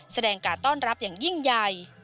แสดงการต้อนรับอย่างยิ่งใหญ่